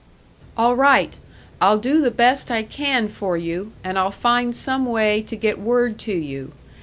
"All right. I'll do the best I can for you, and I'll find some way to get word to you.